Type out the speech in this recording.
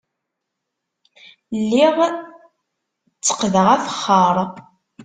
Lliɣ tteqqdeɣ afexxar.